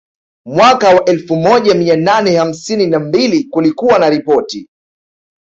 Mwaka wa elfu moja mia nane hamsini na mbili kulikuwa na ripoti